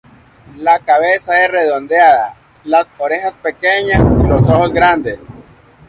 La cabeza es redondeada, las orejas pequeñas y los ojos grandes.